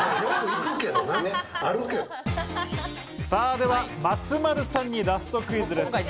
では松丸さんにラストクイズです。